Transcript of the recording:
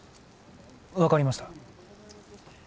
分かりました。